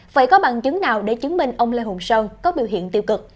vậy có bằng chứng nào để chứng minh ông lê hồng sơn có biểu hiện tiêu cực